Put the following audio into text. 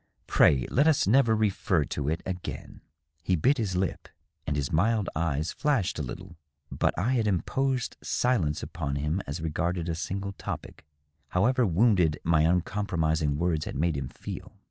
Pray let us never refer to it again." He bit his lip, and his mild eyes flashed a little. But I had im posed silence upon him as regarded a single topic, however wounded my uncompromising words had made him feel.